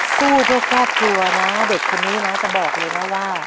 สู้ด้วยครอบครัวนะเด็กคนนี้นะจะบอกเลยนะว่า